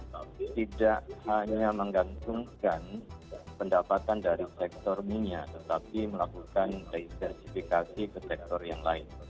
tapi tidak hanya menggantungkan pendapatan dari sektor minyak tetapi melakukan resersifikasi ke sektor yang lain